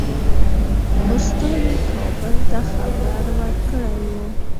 استازي کابل ته خبر ورکړی وو.